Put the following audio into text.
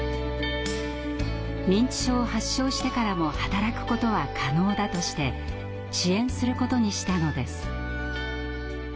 認知症を発症してからも働くことは可能だとして支援することにしたのです。